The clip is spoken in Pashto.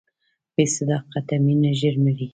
بې صداقته مینه ژر مري.